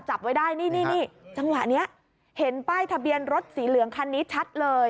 จับไว้ได้นี่นี่จังหวะนี้เห็นป้ายทะเบียนรถสีเหลืองคันนี้ชัดเลย